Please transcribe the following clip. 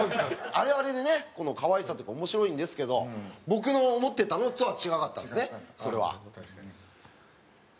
あれはあれでね可愛さとか面白いんですけど僕の思ってたのとは違かったんですねそれは。